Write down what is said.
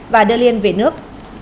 và đưa liên về nước